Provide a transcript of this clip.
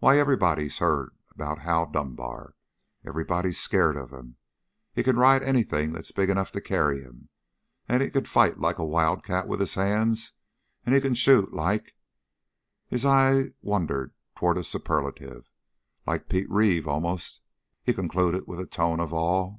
Why, everybody's heard about Hal Dunbar. Everybody's scared of him. He can ride anything that's big enough to carry him; he can fight like a wildcat with his hands; and he can shoot like" his eye wandered toward a superlative "like Pete Reeve, almost," he concluded with a tone of awe.